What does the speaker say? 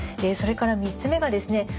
それから３つ目がですね